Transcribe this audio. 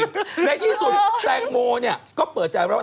ในที่สุดแต่งโมก็เปิดจารย์แล้ว